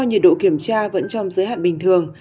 nhiệt độ kiểm tra vẫn trong giới hạn bình thường